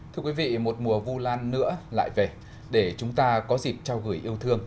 thưa quý vị một mùa vu lan nữa lại về để chúng ta có dịp trao gửi yêu thương